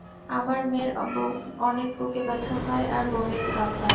আমার মেয়ের অনেক বুকে ব্যথা হয় আর বমির ভাব হয়।